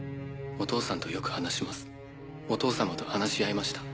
お父さんとよく話しますお父様と話し合いました。